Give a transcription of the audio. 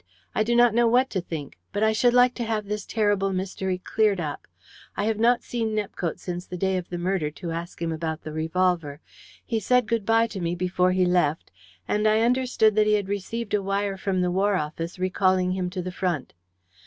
"I do not know what to think, but I should like to have this terrible mystery cleared up. I have not seen Nepcote since the day of the murder to ask him about the revolver. He said good bye to me before he left, and I understood that he had received a wire from the War Office recalling him to the front.